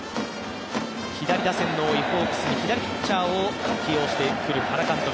左打線の多いホークスに左ピッチャーを起用してくる原監督。